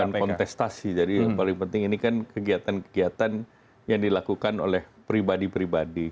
bukan kontestasi jadi yang paling penting ini kan kegiatan kegiatan yang dilakukan oleh pribadi pribadi